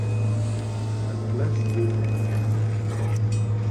La Classe de neige